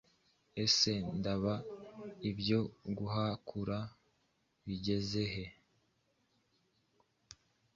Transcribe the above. Ese Ndaba ibyo guhakura bigeze he?”